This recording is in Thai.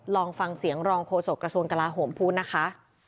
ลองฟังเสียงรองโฆษกระทรวงกลาโหมพูดนะคะ